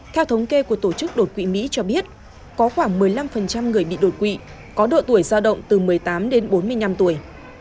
theo thống kê của tổ chức đột quỵ mỹ cho biết có khoảng một mươi năm người bị đột quỵ có độ tuổi giao động từ một mươi tám đến bốn mươi năm tuổi